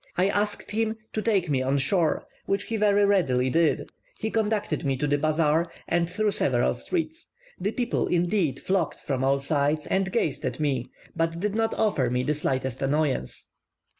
I asked him to take me on shore, which he very readily did. He conducted me to the bazaar, and through several streets. The people indeed flocked from all sides and gazed at me, but did not offer me the slightest annoyance.